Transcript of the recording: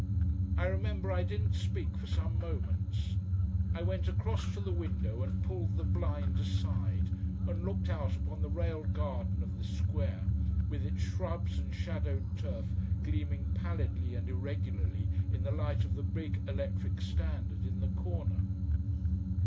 I remember I didn't speak for some moments. I went across to the window and pulled the blind aside, and looked out upon the railed garden of the square, with its shrubs and shadowed turf gleaming pallidly and irregularly in the light of the big electric standard in the corner.